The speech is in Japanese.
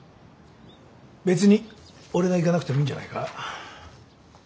別に俺が行かなくてもいいんじゃないか。